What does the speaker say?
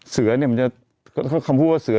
เสื้อเนี่ยคำพูดว่าเสื้อ